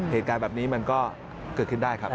เหตุการณ์แบบนี้มันก็เกิดขึ้นได้ครับ